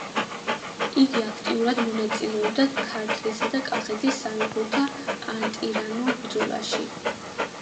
იგი აქტიურად მონაწილეობდა ქართლისა და კახეთის სამეფოთა ანტიირანულ ბრძოლაში.